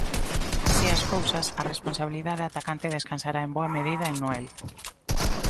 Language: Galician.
Así as cousas, a responsabilidade atacante descansará en boa medida en Noel.